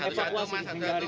satu jahat pak satu jahat pak